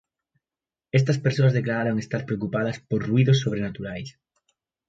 Estas persoas declararon estar preocupados por ruídos sobrenaturais.